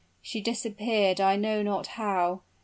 She disappeared I know not how!